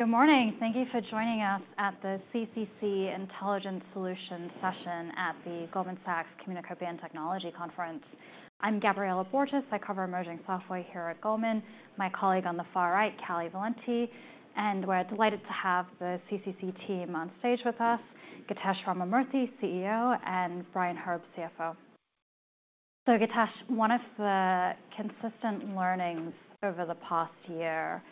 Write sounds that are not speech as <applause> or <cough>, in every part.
Good morning. Thank you for joining us at the CCC Intelligent Solutions session at the Goldman Sachs Communication and Technology Conference. I'm Gabriela Borges. I cover emerging software here at Goldman. My colleague on the far right, Callie Valenti, and we're delighted to have the CCC team on stage with us, Githesh Ramamurthy, CEO, and Brian Herb, CFO. So Githesh, one of the consistent learnings over the past year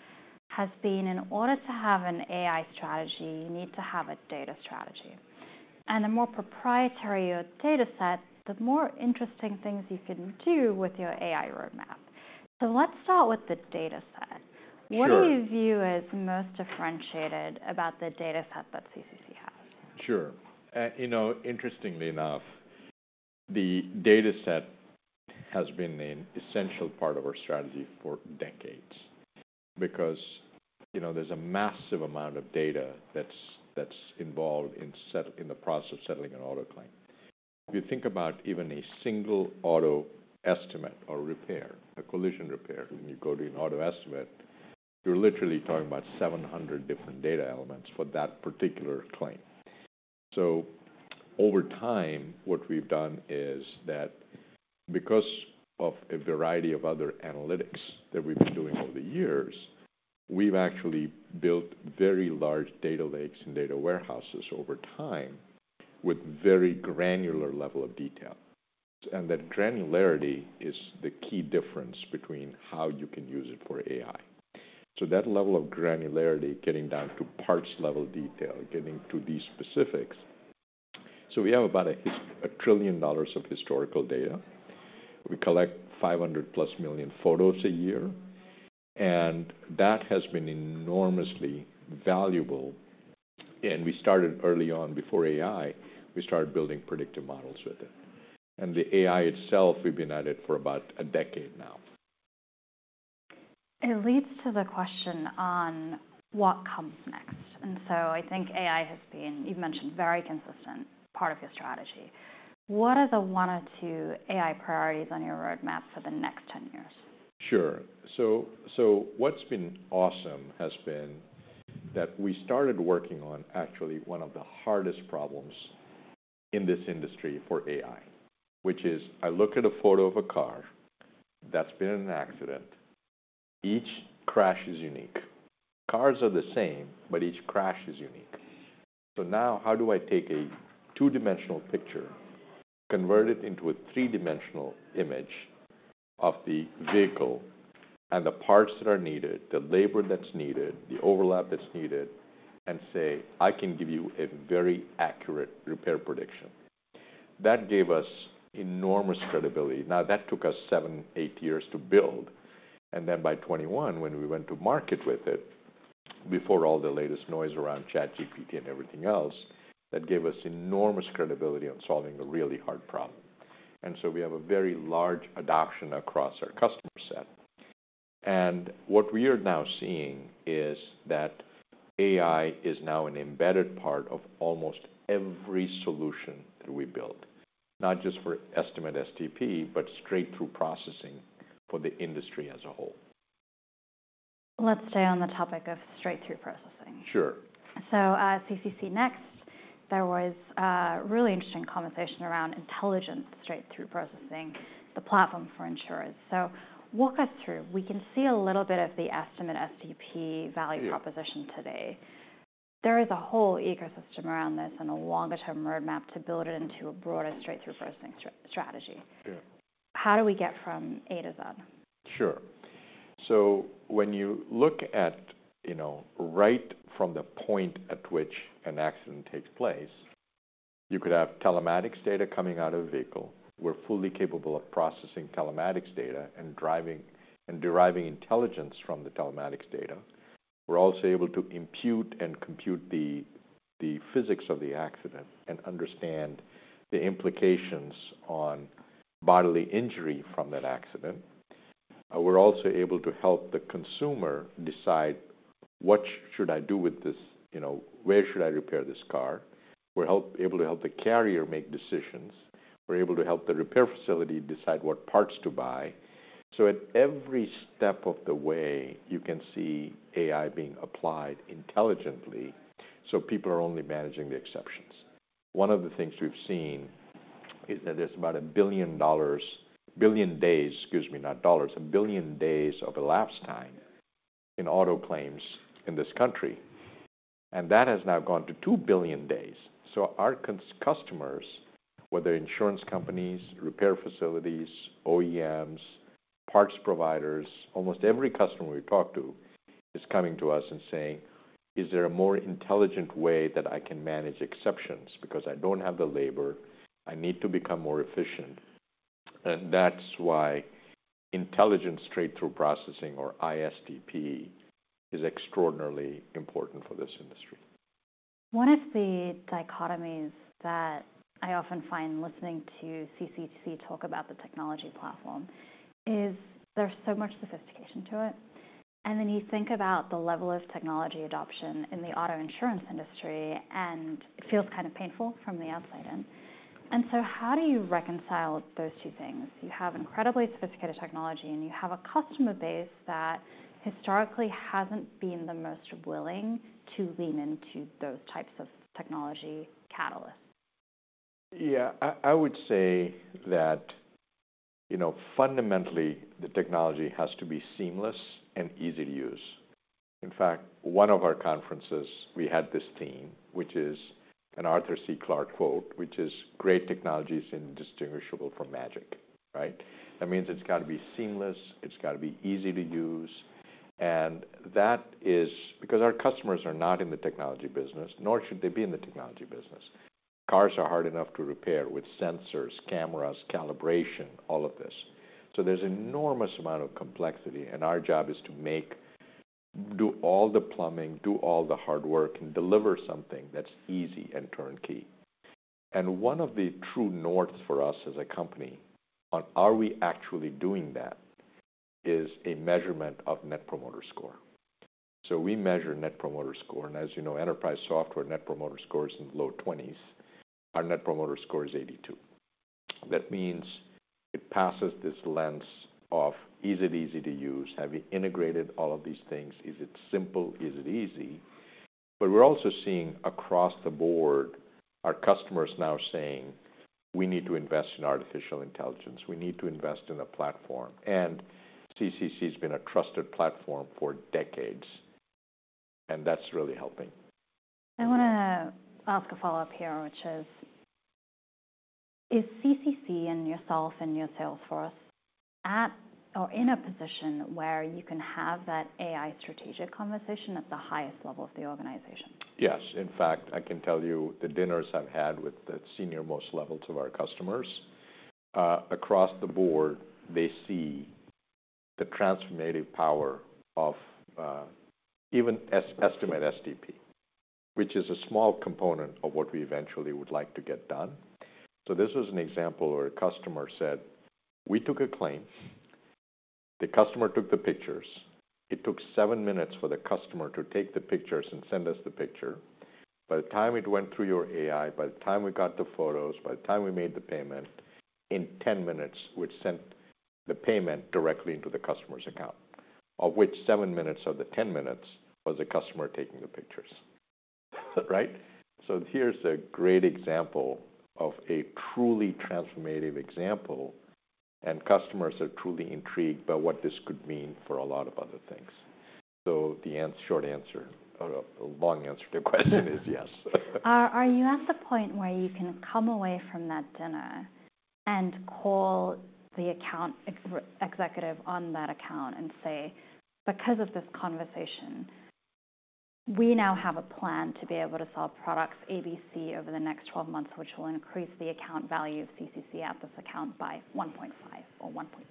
has been in order to have an AI strategy, you need to have a data strategy. And the more proprietary your data set, the more interesting things you can do with your AI roadmap. So, let's start with the data set. Sure. What do you view as most differentiated about the data set that CCC has? Sure. You know, interestingly enough, the data set has been an essential part of our strategy for decades because, you know, there's a massive amount of data that's involved in the process of settling an auto claim. If you think about even a single auto estimate or repair, a collision repair, when you go do an auto estimate, you're literally talking about 700 different data elements for that particular claim. So over time, what we've done is that because of a variety of other analytics that we've been doing over the years, we've actually built very large data lakes and data warehouses over time with very granular level of detail. And that granularity is the key difference between how you can use it for AI. So that level of granularity, getting down to parts-level detail, getting to these specifics. We have about $1 trillion of historical data. We collect 500 million plus photos a year, and that has been enormously valuable. We started early on before AI; we started building predictive models with it. The AI itself, we've been at it for about a decade now. It leads to the question on what comes next. And so, I think AI has been, you've mentioned, very consistent part of your strategy. What are the one or two AI priorities on your roadmap for the next ten years? Sure. So, so what's been awesome has been that we started working on actually one of the hardest problems in this industry for AI, which is I look at a photo of a car that's been in an accident. Each crash is unique. Cars are the same, but each crash is unique. So now how do I take a two-dimensional picture, convert it into a three-dimensional image of the vehicle and the parts that are needed, the labor that's needed, the overlap that's needed, and say, "I can give you a very accurate repair prediction"? That gave us enormous credibility. Now, that took us seven to eight years to build, and then by 2021, when we went to market with it, before all the latest noise around ChatGPT and everything else, that gave us enormous credibility on solving a really hard problem. We have a very large adoption across our customer set. What we are now seeing is that AI is now an embedded part of almost every solution that we build, not just for Estimate-STP, but straight-through processing for the industry as a whole. Let's stay on the topic of straight-through processing. Sure. So, CCC Next, there was a really interesting conversation around Intelligent Straight-Through Processing, the platform for insurers. So, walk us through. We can see a little bit of the Estimate-STP value... Yeah. proposition today. There is a whole ecosystem around this and a longer-term roadmap to build it into a broader straight-through processing strategy. Yeah. How do we get from A to Z? Sure. So, when you look at, you know, right from the point at which an accident takes place, you could have telematics data coming out of a vehicle. We're fully capable of processing telematics data and deriving intelligence from the telematics data. We're also able to impute and compute the physics of the accident and understand the implications on bodily injury from that accident. We're also able to help the consumer decide, what should I do with this... You know, where should I repair this car? We're able to help the carrier make decisions. We're able to help the repair facility decide what parts to buy. So, at every step of the way, you can see AI being applied intelligently, so people are only managing the exceptions. One of the things we've seen is that there's about $1 billion—billion days, excuse me, not dollars, 1 billion days of elapsed time in auto claims in this country, and that has now gone to 2 billion days. So, our customers, whether insurance companies, repair facilities, OEMs, parts providers, almost every customer we talk to is coming to us and saying: "Is there a more intelligent way that I can manage exceptions? Because I don't have the labor, I need to become more efficient." And that's why Intelligent Straight-Through Processing, or ISTP, is extraordinarily important for this industry. One of the dichotomies that I often find listening to CCC talk about the technology platform is there's so much sophistication to it, and then you think about the level of technology adoption in the auto insurance industry, and it feels kind of painful from the outside in... And so how do you reconcile those two things? You have incredibly sophisticated technology, and you have a customer base that historically hasn't been the most willing to lean into those types of technology catalysts. Yeah, I would say that, you know, fundamentally, the technology has to be seamless and easy to use. In fact, one of our conferences, we had this theme, which is an Arthur C. Clarke quote, which is: Great technology is indistinguishable from magic, right? That means it's got to be seamless, it's got to be easy to use, and that is because our customers are not in the technology business, nor should they be in the technology business. Cars are hard enough to repair with sensors, cameras, calibration, all of this. So, there's enormous amount of complexity, and our job is to make do all the plumbing, do all the hard work, and deliver something that's easy and turnkey. And one of the true north for us as a company on are we actually doing that, is a measurement of Net Promoter Score. So we measure Net Promoter Score, and as you know, enterprise software Net Promoter Score is in the low 20s. Our Net Promoter Score is 82. That means it passes this lens of, is it easy to use? Have you integrated all of these things? Is it simple? Is it easy? But we're also seeing across the board, our customers now saying, "We need to invest in artificial intelligence. We need to invest in a platform." And CCC has been a trusted platform for decades, and that's really helping. I want to ask a follow-up here, which is, is CCC and yourself and your sales force at or in a position where you can have that AI strategic conversation at the highest level of the organization? Yes. In fact, I can tell you the dinners I've had with the senior-most levels of our customers, across the board, they see the transformative power of, even Estimate-STP, which is a small component of what we eventually would like to get done. So this was an example where a customer said, "We took a claim. The customer took the pictures. It took seven minutes for the customer to take the pictures and send us the picture. By the time it went through your AI, by the time we got the photos, by the time we made the payment, in 10 minutes, we'd sent the payment directly into the customer's account, of which seven minutes of the 10 minutes was the customer taking the pictures." Right? So, here's a great example of a truly transformative example, and customers are truly intrigued by what this could mean for a lot of other things. So, the short answer or the long answer to your question is yes. Are you at the point where you can come away from that dinner and call the account executive on that account and say, "Because of this conversation, we now have a plan to be able to sell products A, B, C over the next 12 months, which will increase the account value of CCC at this account by 1.5 or 1.2?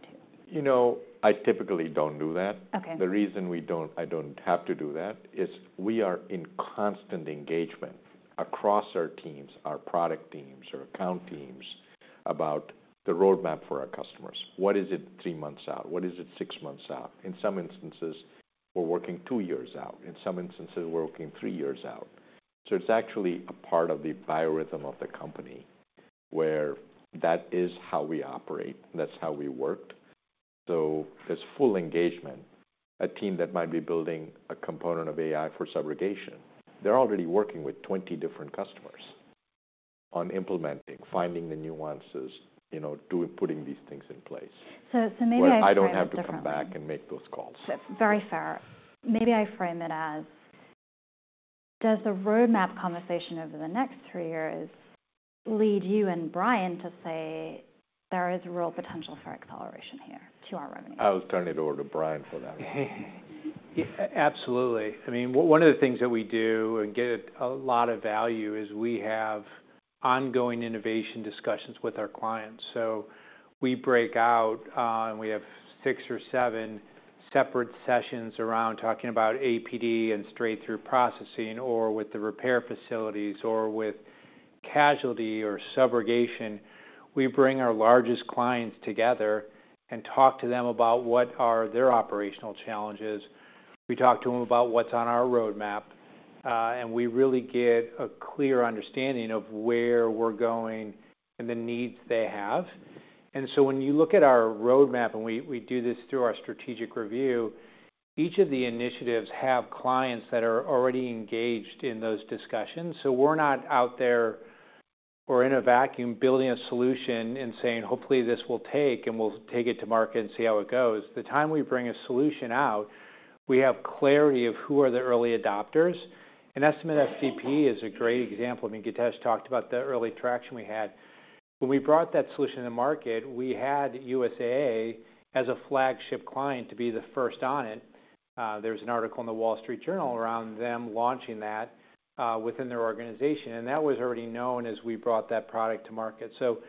You know, I typically don't do that. Okay. The reason I don't have to do that is we are in constant engagement across our teams, our product teams, our account teams, about the roadmap for our customers. What is it three months out? What is it six months out? In some instances, we're working two years out. In some instances, we're working three years out. So, it's actually a part of the biorhythm of the company, where that is how we operate, that's how we work. So, it's full engagement. A team that might be building a component of AI for subrogation, they're already working with 20 different customers on implementing, finding the nuances, you know, doing, putting these things in place. So, maybe I frame it differently... <crosstalk> Where I don't have to come back and make those calls. Very fair. Maybe I frame it as, does the roadmap conversation over the next three years lead you and Brian to say: There is real potential for acceleration here to our revenue? I'll turn it over to Brian for that. Yeah. Absolutely. I mean, one of the things that we do and get a lot of value is we have ongoing innovation discussions with our clients. So, we break out, and we have six or seven separate sessions around talking about APD and straight-through processing or with the repair facilities or with casualty or subrogation. We bring our largest clients together and talk to them about what are their operational challenges. We talk to them about what's on our roadmap, and we really get a clear understanding of where we're going and the needs they have. And so, when you look at our roadmap, and we do this through our strategic review, each of the initiatives have clients that are already engaged in those discussions. So, we're not out there or in a vacuum building a solution and saying: Hopefully, this will take, and we'll take it to market and see how it goes. The time we bring a solution out, we have clarity of who are the early adopters, and Estimate-STP is a great example. I mean, Githesh talked about the early traction we had. When we brought that solution to market, we had USAA as a flagship client to be the first on it. There was an article in The Wall Street Journal around them launching that within their organization, and that was already known as we brought that product to market. So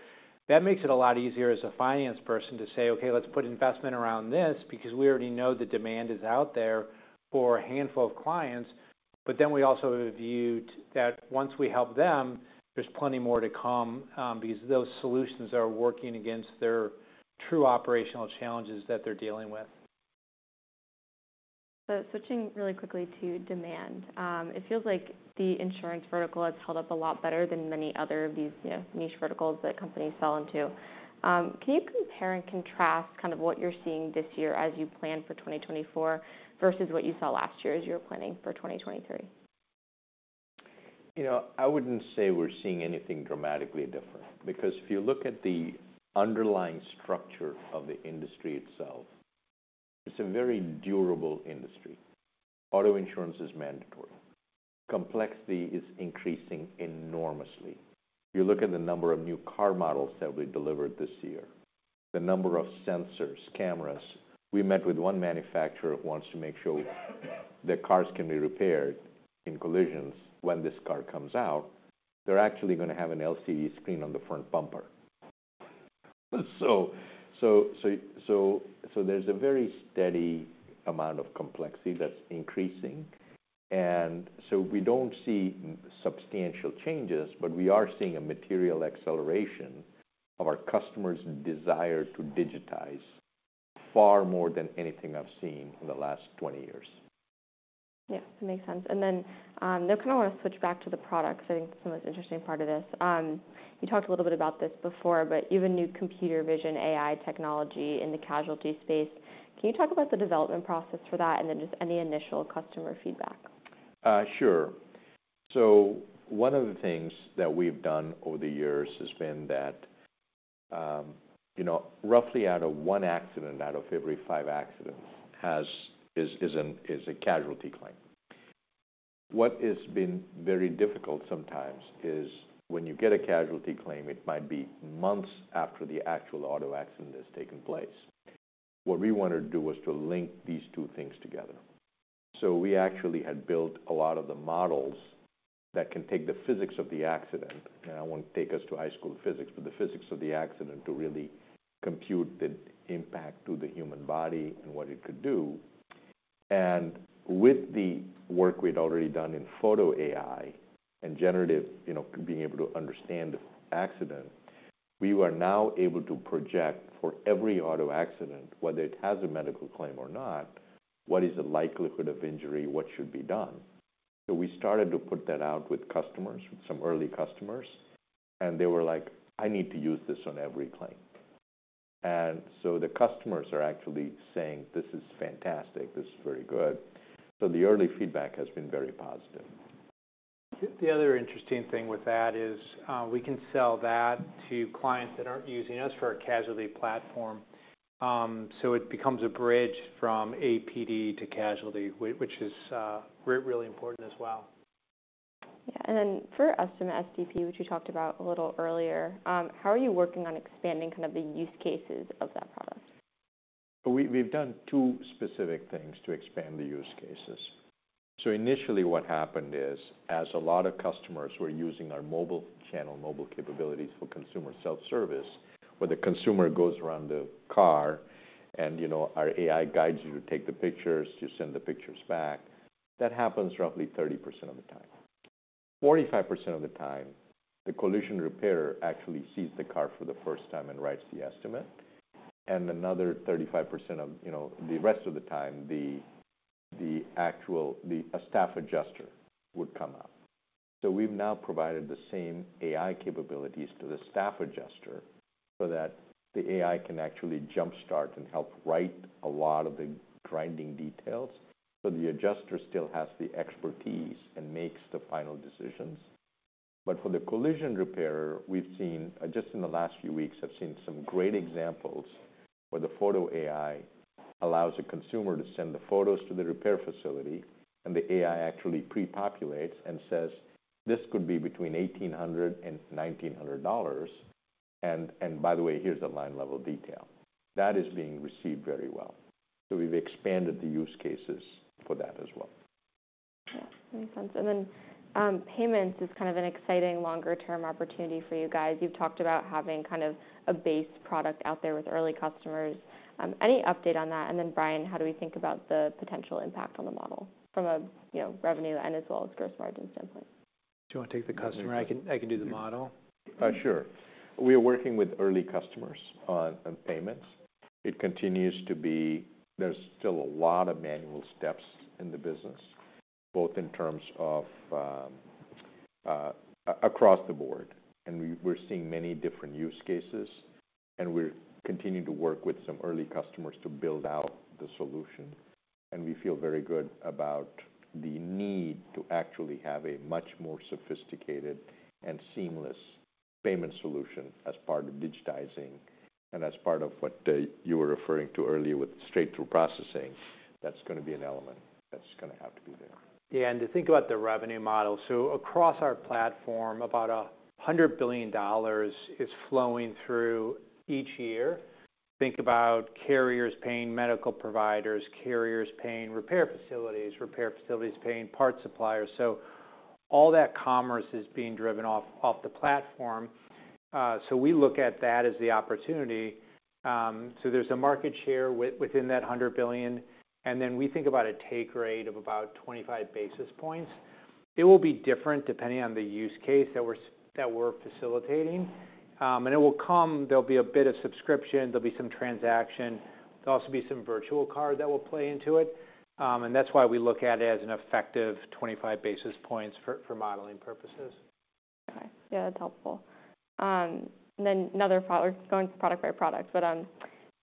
that makes it a lot easier as a finance person to say, "Okay, let's put investment around this," because we already know the demand is out there for a handful of clients. But then we also reviewed that once we help them, there's plenty more to come, because those solutions are working against their true operational challenges that they're dealing with. So, switching really quickly to demand. It feels like the insurance vertical has held up a lot better than many others of these, you know, niche verticals that companies sell into. Can you compare and contrast kind of what you're seeing this year as you plan for 2024, versus what you saw last year as you were planning for 2023? You know, I wouldn't say we're seeing anything dramatically different, because if you look at the underlying structure of the industry itself, it's a very durable industry. Auto insurance is mandatory. Complexity is increasing enormously. If you look at the number of new car models that will be delivered this year, the number of sensors, cameras. We met with one manufacturer who wants to make sure their cars can be repaired in collisions. When this car comes out, they're actually gonna have an LCD screen on the front bumper. So, there's a very steady amount of complexity that's increasing, and so we don't see substantial changes, but we are seeing a material acceleration of our customers' desire to digitize, far more than anything I've seen in the last 20 years. Yeah, that makes sense. Now I kinda wanna switch back to the products. I think it's the most interesting part of this. You talked a little bit about this before, but you have a new computer vision AI technology in the casualty space. Can you talk about the development process for that, and then just any initial customer feedback? Sure. So one of the things that we've done over the years has been that, you know, roughly out of one accident, out of every five accidents, is a casualty claim. What has been very difficult sometimes is when you get a casualty claim, it might be months after the actual auto accident has taken place. What we wanted to do was to link these two things together. So, we actually had built a lot of the models that can take the physics of the accident, and I won't take us to high school physics, but the physics of the accident to really compute the impact to the human body and what it could do. And with the work we'd already done in photo AI and generative, you know, being able to understand the accident, we were now able to project for every auto accident, whether it has a medical claim or not, what is the likelihood of injury, what should be done? So, we started to put that out with customers, with some early customers, and they were like: "I need to use this on every claim." And so, the customers are actually saying, "This is fantastic. This is very good." So, the early feedback has been very positive. The other interesting thing with that is, we can sell that to clients that aren't using us for a casualty platform. So it becomes a bridge from APD to casualty, which is really important as well. Yeah, and then for Estimate-STP, which you talked about a little earlier, how are you working on expanding kind of the use cases of that product? We've done two specific things to expand the use cases. So initially, what happened is, as a lot of customers were using our mobile channel, mobile capabilities for consumer self-service, where the consumer goes around the car and, you know, our AI guides you to take the pictures, to send the pictures back. That happens roughly 30% of the time. 45% of the time, the collision repairer actually sees the car for the first time and writes the estimate. And another 35% of, you know, the rest of the time, the actual, a staff adjuster would come out. So, we've now provided the same AI capabilities to the staff adjuster so that the AI can actually jump-start and help write a lot of the grinding details, so the adjuster still has the expertise and makes the final decisions. But for the collision repairer, we've seen, just in the last few weeks, I've seen some great examples where the photo AI allows a consumer to send the photos to the repair facility, and the AI actually pre-populates and says, "This could be between $1,800 and $1,900, and, and by the way, here's the line-level detail." That is being received very well. So, we've expanded the use cases for that as well. Yeah, makes sense. And then, payments is kind of an exciting longer-term opportunity for you guys. You've talked about having kind of a base product out there with early customers. Any update on that? And then, Brian, how do we think about the potential impact on the model from a, you know, revenue and as well as gross margin standpoint? Do you want to take the customer? <crosstalk> I can do the model. Sure. We are working with early customers on payments. It continues to be... There's still a lot of manual steps in the business, both in terms of across the board, and we're seeing many different use cases, and we're continuing to work with some early customers to build out the solution. And we feel very good about the need to actually have a much more sophisticated and seamless payment solution as part of digitizing and as part of what you were referring to earlier with straight-through processing. That's gonna be an element that's gonna have to be there. Yeah, and to think about the revenue model, so across our platform, about $100 billion is flowing through each year. Think about carriers paying medical providers, carriers paying repair facilities, repair facilities paying parts suppliers. So, all that commerce is being driven off the platform. So, we look at that as the opportunity. So, there's a market share within that $100 billion, and then we think about a take rate of about 25 basis points. It will be different depending on the use case that we're facilitating. And it will come. There'll be a bit of subscription, there'll be some transaction, there'll also be some virtual card that will play into it. And that's why we look at it as an effective 25 basis points for modeling purposes. Okay. Yeah, that's helpful. And then another follow—going to product by product, but on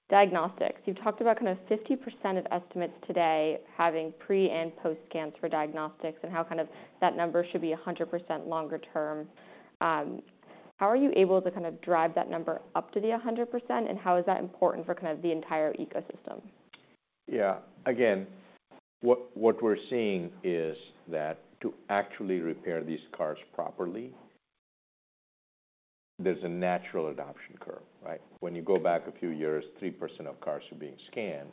diagnostics, you talked about kind of 50% of estimates today having pre- and post-scans for diagnostics, and how kind of that number should be 100% longer term. How are you able to kind of drive that number up to the 100%, and how is that important for kind of the entire ecosystem? Yeah. Again, what, what we're seeing is that to actually repair these cars properly, there's a natural adoption curve, right? When you go back a few years, 3% of cars are being scanned.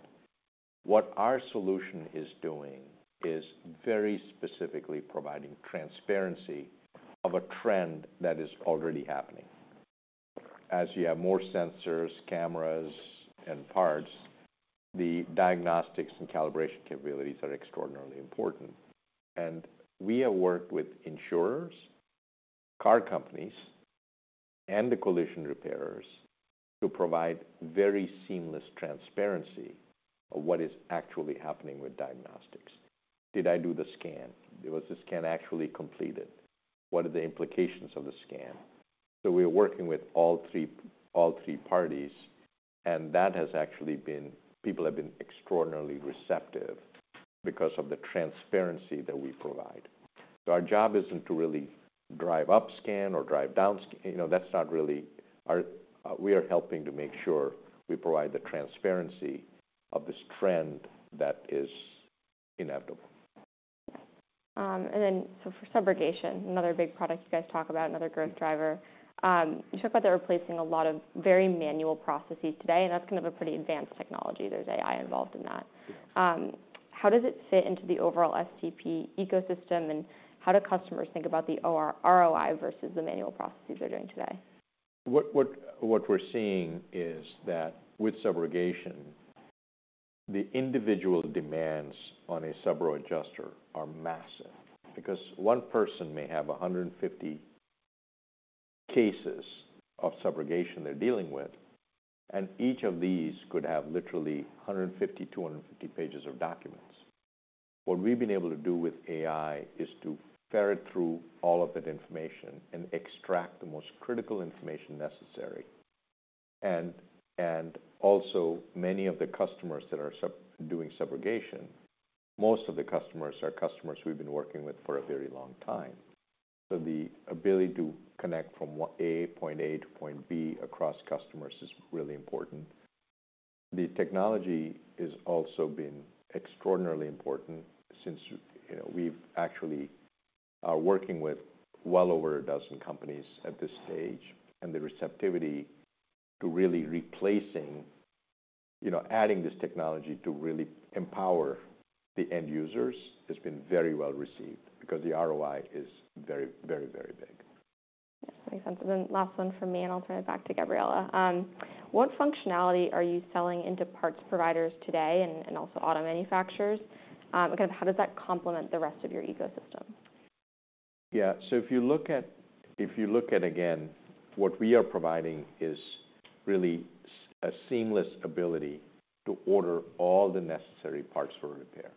What our solution is doing is very specifically providing transparency of a trend that is already happening. As you have more sensors, cameras, and parts, the diagnostics and calibration capabilities are extraordinarily important. And we have worked with insurers, car companies, and the collision repairers to provide very seamless transparency of what is actually happening with diagnostics. Did I do the scan? Was the scan actually completed? What are the implications of the scan? So, we are working with all three, all three parties, and that has actually been. People have been extraordinarily receptive because of the transparency that we provide. So, our job isn't to really drive-up scan or drive down scan. You know, that's not really our... We are helping to make sure we provide the transparency of this trend that is inevitable. And then so for subrogation, another big product you guys talk about, another growth driver. You talked about they're replacing a lot of very manual processes today, and that's kind of a pretty advanced technology. There's AI involved in that. Yeah. How does it fit into the overall STP ecosystem, and how do customers think about the ROI versus the manual processes they're doing today? What we're seeing is that with subrogation, the individual demands on a subro adjuster are massive because one person may have 150 cases of subrogation they're dealing with, and each of these could have literally 150 to 250 pages of documents. What we've been able to do with AI is to ferret through all of that information and extract the most critical information necessary. And also, many of the customers that are doing subrogation, most of the customers are customers we've been working with for a very long time. So, the ability to connect from point A to point B across customers is really important. The technology has also been extraordinarily important since, you know, we've actually are working with well over a dozen companies at this stage, and the receptivity to really replacing, you know, adding this technology to really empower the end users has been very well received because the ROI is very, very, very big. Yes, makes sense. Then last one from me, and I'll turn it back to Gabriela. What functionality are you selling into parts providers today and, and also auto manufacturers? Kind of how does that complement the rest of your ecosystem? Yeah. So, if you look at, again, what we are providing is really a seamless ability to order all the necessary parts for repair.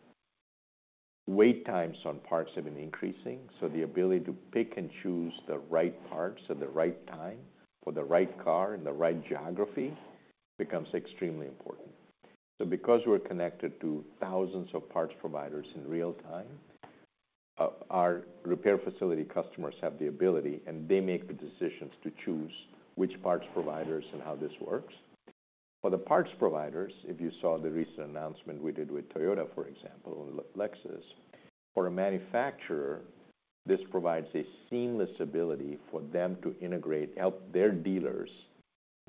Wait times on parts have been increasing, so the ability to pick and choose the right parts at the right time for the right car and the right geography becomes extremely important. So, because we're connected to thousands of parts providers in real time, our repair facility customers have the ability, and they make the decisions to choose which parts providers and how this works. For the parts providers, if you saw the recent announcement we did with Toyota, for example, or Lexus. For a manufacturer, this provides a seamless ability for them to integrate, help their dealers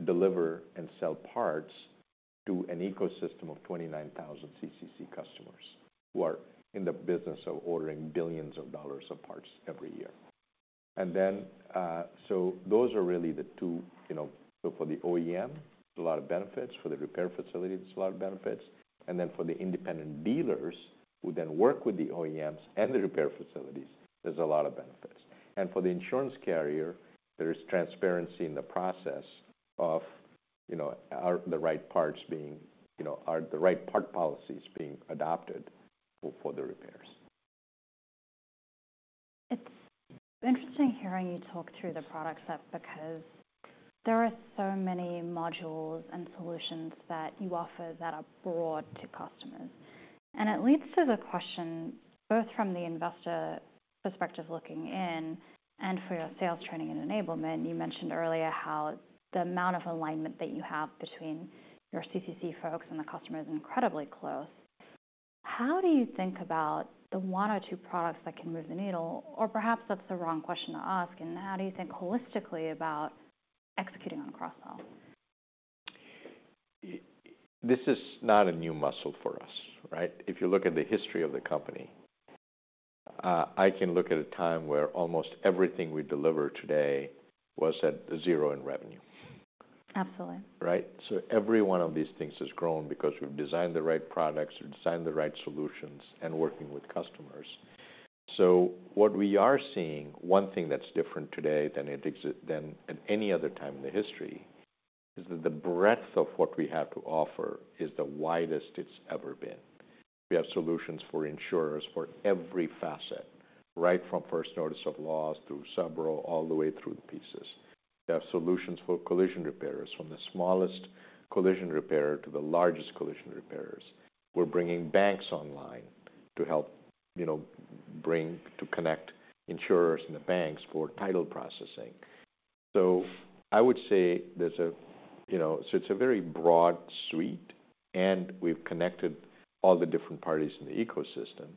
deliver and sell parts to an ecosystem of 29,000 CCC customers who are in the business of ordering $ billions of parts every year. And then, so those are really the two, you know, so for the OEM, a lot of benefits, for the repair facility, there's a lot of benefits, and then for the independent dealers who then work with the OEMs and the repair facilities, there's a lot of benefits. And for the insurance carrier, there's transparency in the process of, you know, are the right parts being... You know, are the right part policies being adopted for, for the repairs? It's interesting hearing you talk through the product set because there are so many modules and solutions that you offer that are broad to customers. It leads to the question, both from the investor perspective looking in and for your sales training and enablement. You mentioned earlier how the amount of alignment that you have between your CCC folks and the customer is incredibly close. How do you think about the one or two products that can move the needle? Or perhaps that's the wrong question to ask, and how do you think holistically about executing on a cross-sell? This is not a new muscle for us, right? If you look at the history of the company, I can look at a time where almost everything we deliver today was at zero in revenue. Absolutely. Right? So, every one of these things has grown because we've designed the right products, we've designed the right solutions, and working with customers. So, what we are seeing, one thing that's different today than at any other time in the history, is that the breadth of what we have to offer is the widest it's ever been. We have solutions for insurers for every facet, right from first notice of loss through subro, all the way through the pieces. We have solutions for collision repairers, from the smallest collision repairer to the largest collision repairers. We're bringing banks online to help, you know, to connect insurers and the banks for title processing. So, I would say there's a, you know. So, it's a very broad suite, and we've connected all the different parties in the ecosystem.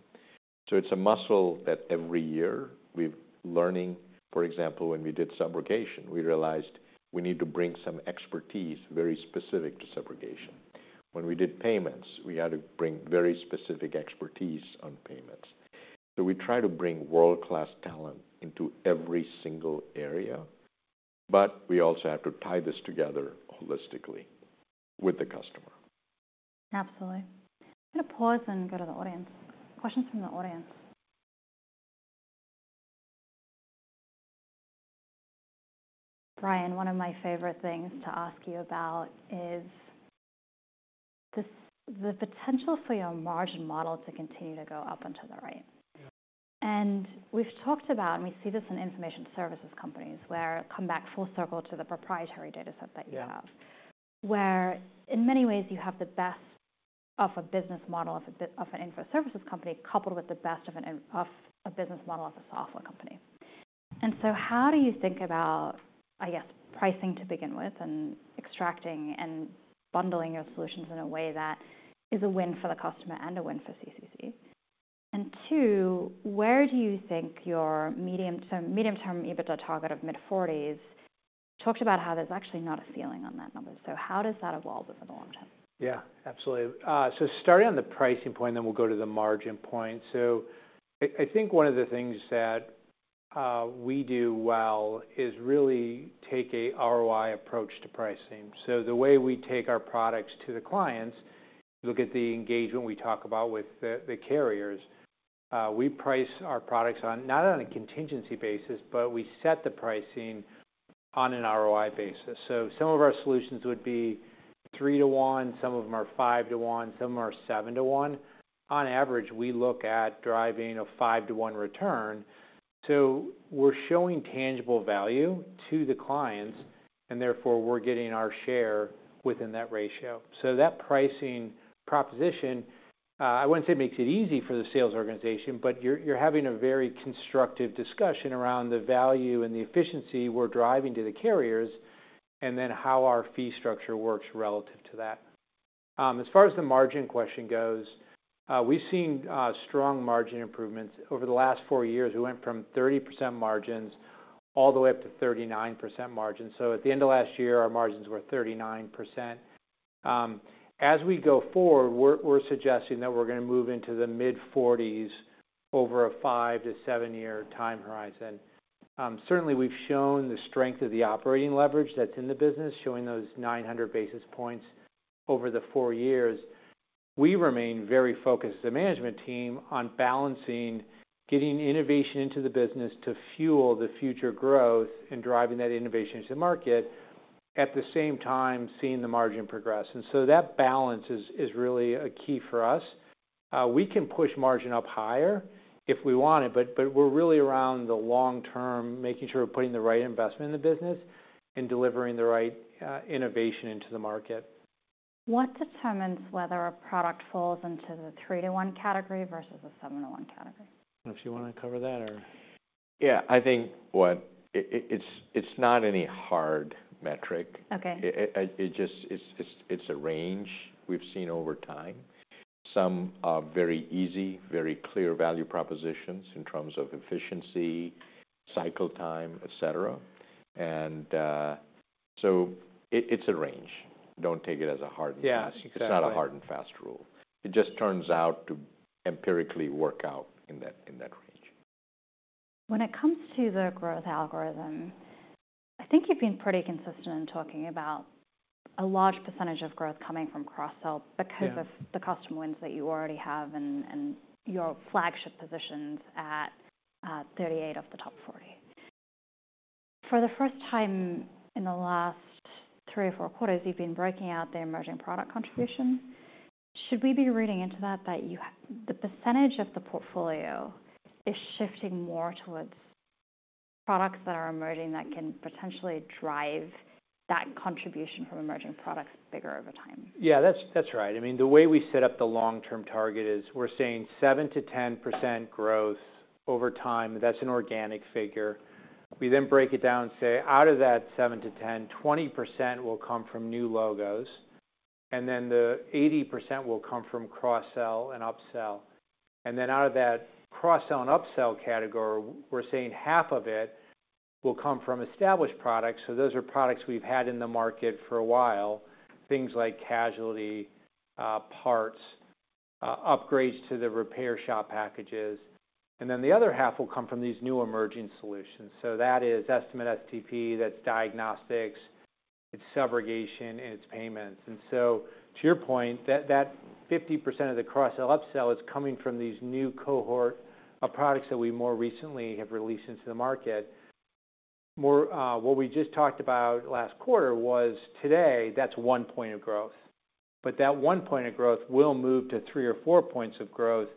So, it's a muscle that every year we're learning. For example, when we did subrogation, we realized we need to bring some expertise very specific to subrogation. When we did payments, we had to bring very specific expertise on payments. So, we try to bring world-class talent into every single area, but we also have to tie this together holistically with the customer. Absolutely. I'm gonna pause and go to the audience. Questions from the audience. Brian, one of my favorite things to ask you about is the potential for your margin model to continue to go up into the right. Yeah. We've talked about, and we see this in information services companies, where come back full circle to the proprietary data set that you have... Yeah. Where in many ways you have the best of a business model of an info services company, coupled with the best of a business model of a software company. And so how do you think about, I guess, pricing to begin with, and extracting and bundling your solutions in a way that is a win for the customer and a win for CCC? And two, where do you think your medium-term EBITDA target of mid-forties? You talked about how there's actually not a ceiling on that number. So how does that evolve over the long term? Yeah, absolutely. So, starting on the pricing point, then we'll go to the margin point. So, I think one of the things that we do well is really take a ROI approach to pricing. So, the way we take our products to the clients, look at the engagement we talk about with the carriers. We price our products on, not on a contingency basis, but we set the pricing on an ROI basis. So, some of our solutions would be three-to-one, some of them are five-to-one, some are seven-to-one. On average, we look at driving a five-to-one return. So, we're showing tangible value to the clients, and therefore, we're getting our share within that ratio. So that pricing proposition, I wouldn't say makes it easy for the sales organization, but you're, you're having a very constructive discussion around the value and the efficiency we're driving to the carriers, and then how our fee structure works relative to that. As far as the margin question goes, we've seen strong margin improvements. Over the last four years, we went from 30% margins all the way up to 39% margins. So, at the end of last year, our margins were 39%. As we go forward, we're, we're suggesting that we're gonna move into the mid-40% over a five to seven-year time horizon. Certainly, we've shown the strength of the operating leverage that's in the business, showing those 900 basis points over the four years. We remain very focused as a management team on balancing, getting innovation into the business to fuel the future growth and driving that innovation into the market, at the same time, seeing the margin progress. So that balance is really a key for us. We can push margin up higher if we wanted, but we're really around the long term, making sure we're putting the right investment in the business and delivering the right innovation into the market. What determines whether a product falls into the three-to-one category versus a seven-to-one category? If you wanna cover that or... Yeah, I think what... it's not any hard metric. Okay. It's a range we've seen over time. Some are very easy, very clear value propositions in terms of efficiency, cycle time, et cetera. And so, it's a range. Don't take it as a hard and fast. Yeah, exactly. It's not a hard and fast rule. It just turns out to empirically work out in that, in that range. When it comes to the growth algorithm, I think you've been pretty consistent in talking about a large percentage of growth coming from cross-sell... Yeah Because of the customer wins that you already have and, and your flagship positions at 38 of the top 40. For the first time in the last three or four quarters, you've been breaking out the emerging product contribution. Should we be reading into that, that you have, the percentage of the portfolio is shifting more towards products that are emerging, that can potentially drive that contribution from emerging products bigger over time? Yeah, that's, that's right. I mean, the way we set up the long-term target is we're seeing 7% to 10% growth over time. That's an organic figure. We then break it down and say, out of that 7% to 10%, 20% will come from new logos, and then the 80% will come from cross-sell and upsell. And then out of that cross-sell and upsell category, we're saying half of it will come from established products. So those are products we've had in the market for a while, things like casualty, parts, upgrades to the repair shop packages, and then the other half will come from these new emerging solutions. So that is Estimate-STP, that's diagnostics, its subrogation, and its payments. And so, to your point, that, that 50% of the cross-sell, upsell is coming from these new cohort of products that we more recently have released into the market. More, what we just talked about last quarter was, today, that's one point of growth. But that one point of growth will move to three or four points of growth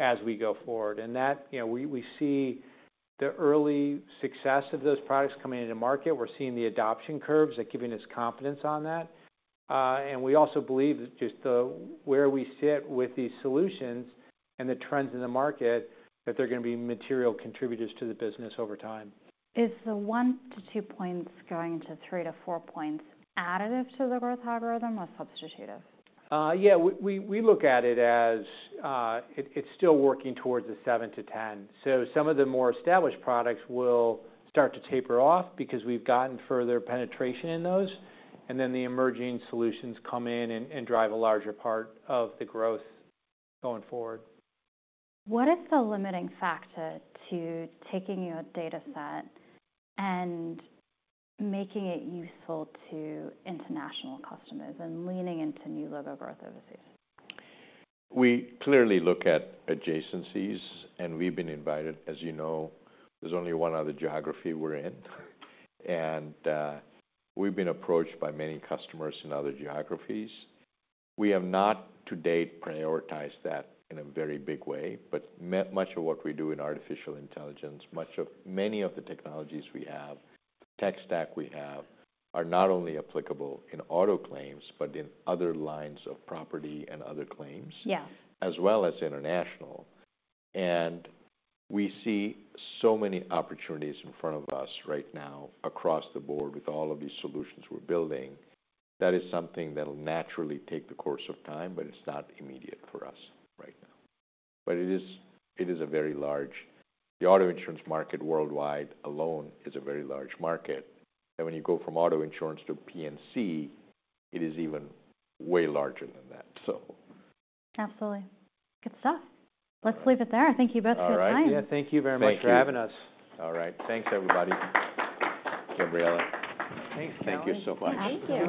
as we go forward. And that, you know, we, we see the early success of those products coming into market. We're seeing the adoption curves that are giving us confidence on that. And we also believe that just the, where we sit with these solutions and the trends in the market, that they're gonna be material contributors to the business over time. Is the one to two points going to three to four points additive to the growth algorithm or substitutive? Yeah, we look at it as it's still working towards the seven to 10. So, some of the more established products will start to taper off because we've gotten further penetration in those, and then the emerging solutions come in and drive a larger part of the growth going forward. What is the limiting factor to taking your dataset and making it useful to international customers and leaning into new logo growth overseas? We clearly look at adjacencies, and we've been invited—as you know, there's only one other geography we're in, and we've been approached by many customers in other geographies. We have not to date prioritized that in a very big way, but much of what we do in artificial intelligence, much of—many of the technologies we have, tech stack we have, are not only applicable in auto claims, but in other lines of property and other claims... Yeah As well as international. We see so many opportunities in front of us right now across the board with all of these solutions we're building. That is something that'll naturally take the course of time, but it's not immediate for us right now. But it is, it is a very large... The auto insurance market worldwide alone is a very large market, and when you go from auto insurance to P&C, it is even way larger than that, so. Absolutely. Good stuff. All right. Let's leave it there. Thank you both for your time. All right. Yeah, thank you very much for having us. Thank you. All right. Thanks, everybody. Gabriela. Thanks. Thank you so much. Thank you.